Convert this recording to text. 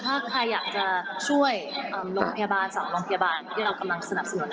ถ้าใครอยากช่วยโรงพยาบาลที่เรากำลังสนับสนุน